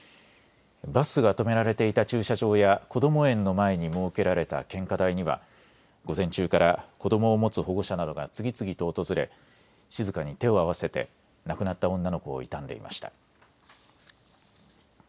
バスが止められていた駐車場やこども園の前に設けられた献花台には午前中から子どもを持つ保護者などが次々と訪れ静かに手を合わせて亡くなった女の子を悼んでいました。